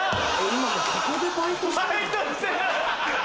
今ここでバイトしてんの？